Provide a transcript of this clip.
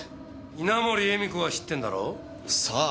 稲盛絵美子は知ってんだろう？さあ。